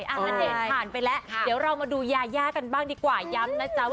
ณเดชน์ผ่านไปแล้วเดี๋ยวเรามาดูยายากันบ้างดีกว่าย้ำนะจ๊ะว่า